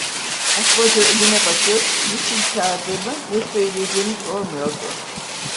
Atmaca önüne bakıyor, niçin çağırdığımı, ne söyleyeceğimi sormuyordu.